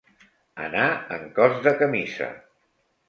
Anar en cos de camisa.